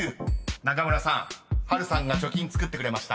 ［中村さん波瑠さんが貯金つくってくれました］